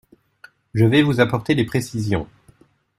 Je vais vous apporter des précisions.